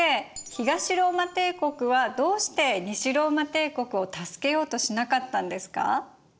東ローマ帝国はどうして西ローマ帝国を助けようとしなかったんですか？